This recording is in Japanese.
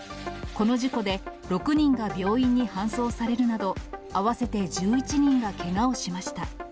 この事故で、６人が病院に搬送されるなど、合わせて１１人がけがをしました。